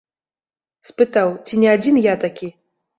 Спытаў, ці не адзін я такі.